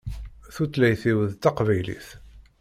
Tutlayt-iw d taqbaylit.